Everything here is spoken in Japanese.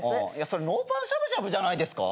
それノーパンしゃぶしゃぶじゃないですか？